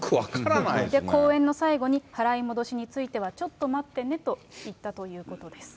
公演の最後に、払い戻しについてはちょっと待ってねと言ったということです。